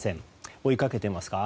追いかけていますか？